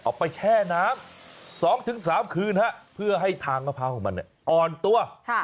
แช่น้ำ๒๓คืนเพื่อให้ทางมะพร้าวของมันอ่อนตัว